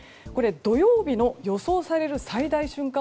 土曜日の予想される最大瞬間